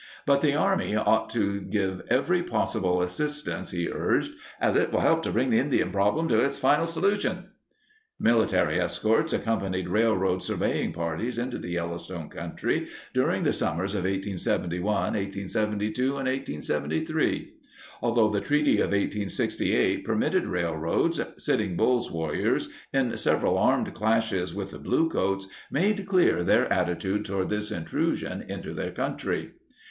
But the Army ought to give every possible assis tance, he urged, "as it will help to bring the Indian problem to a final solution." Military escorts accom panied railroad surveying parties into the Yellow stone country during the summers of 1871, 1872, and 1873. Although the Treaty of 1868 permitted rail roads, Sitting Bull's warriors, in several armed clashes with the bluecoats, made clear their attitude toward this intrusion into their country.